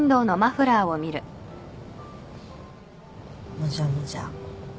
もじゃもじゃ。